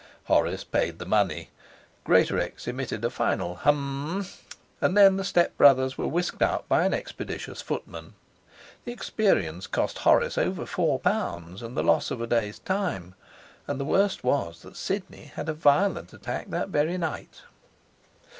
Horace paid the money, Greatorex emitted a final 'hum', and then the stepbrothers were whisked out by an expeditious footman. The experience cost Horace over four pounds and the loss of a day's time. And the worst was that Sidney had a violent attack that very night.